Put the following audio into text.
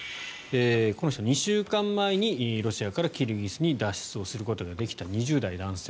この人、２週間前にロシアからキルギスに脱出することができた２０代男性。